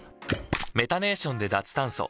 メタネーションで脱炭素。